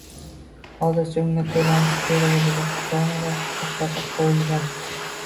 Hozircha unga toʻlanishi kerak boʻlgan gonorar toʻxtatib qoʻyilgan.